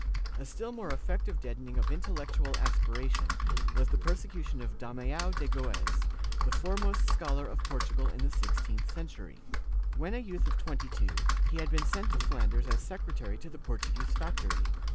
264 JEWS [Book VIII A still more effective deadening of intellectual aspiration was the persecution of Damiao de Goes, the foremost scholar of Por tugal in the sixteenth century. When a youth of 22, he had been sent to Flanders as secretary to the Portuguese factory.